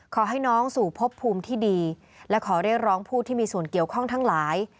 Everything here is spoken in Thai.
ขอให้น้องสู่พบภูมิที่ดีและขอเรียกร้องผู้ที่มีส่วนเกี่ยวข้องทั้งหลาย